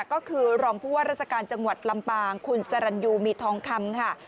ก็คือรองผู้ว่าราชการจังหวัดลำปางคุณสรรยูมีทองคำค่ะ